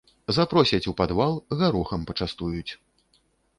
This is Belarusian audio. Запросяць у падвал, гарохам пачастуюць.